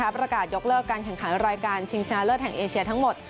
ประกาศยกเลิกการแข่งขันรายการชิงชนะเลิศแห่งเอเชียทั้งหมด